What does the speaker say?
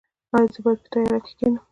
ایا زه باید په تیاره کې کینم؟